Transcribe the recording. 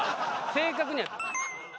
正確には。